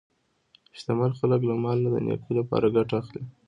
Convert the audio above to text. شتمن خلک له مال نه د نیکۍ لپاره ګټه اخلي.